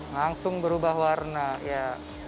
langsung berubah warna ya